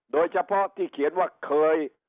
โดยเฉพาะที่เขียนว่าเคย